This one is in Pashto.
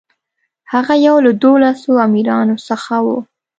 هغه یو له دولسو امیرانو څخه و.